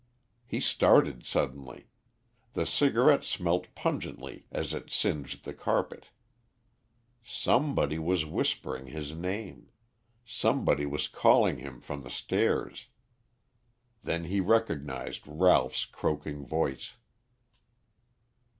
He started suddenly; the cigarette smelt pungently as it singed the carpet. Somebody was whispering his name; somebody was calling him from the stairs. Then he recognized Ralph's croaking voice.